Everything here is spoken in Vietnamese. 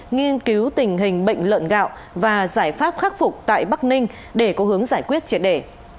nghiên cứu tình hình bệnh lợn gạo và giải pháp khắc phục tại bắc ninh để có hướng giải quyết triệt đề